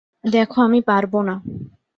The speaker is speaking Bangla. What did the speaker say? দেখো, আমি পারবো না।